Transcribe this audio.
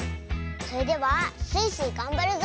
それでは「スイスイ！がんばるぞ」